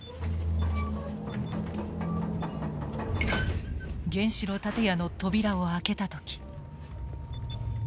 原子炉建屋の扉を開けた時。